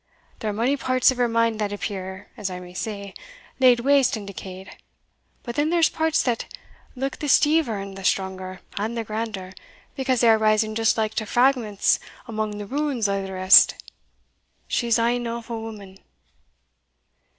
There are mony parts of her mind that appear, as I may say, laid waste and decayed, but then there's parts that look the steever, and the stronger, and the grander, because they are rising just like to fragments amaong the ruins o' the rest. She's an awful woman."